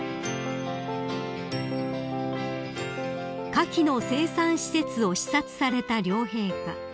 ［カキの生産施設を視察された両陛下］